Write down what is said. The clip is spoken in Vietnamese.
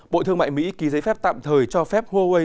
bộ thương mại mỹ ký giấy phép tạm thời cho phép huawei